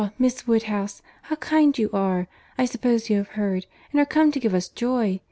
Miss Woodhouse, how kind you are!—I suppose you have heard—and are come to give us joy.